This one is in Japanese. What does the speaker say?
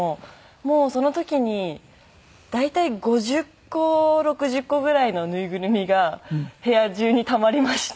もうその時に大体５０個６０個ぐらいの縫いぐるみが部屋中にたまりまして。